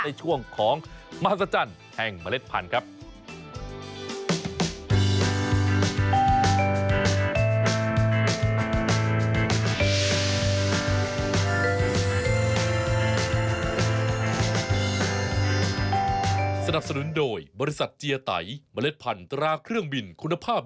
ในช่วงของมหัศจรรย์แห่งเมล็ดพันธุ์ครับ